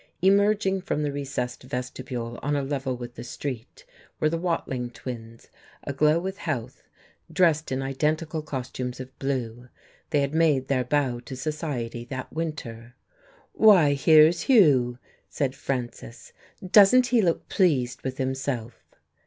Emerging from the recessed vestibule on a level with the street were the Watling twins, aglow with health, dressed in identical costumes of blue. They had made their bow to society that winter. "Why, here's Hugh!" said Frances. "Doesn't he look pleased with himself?"